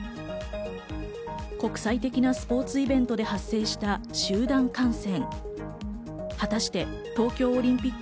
国際的なスポーツイベントで発生した集団感染。